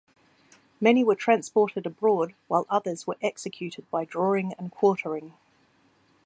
Many were transported abroad, while others were executed by drawing and quartering.